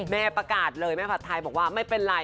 แม่ประกาศเลยแม่ผัดไทยบอกว่าไม่เป็นไร